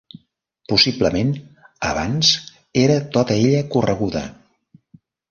Possiblement abans era tota ella correguda.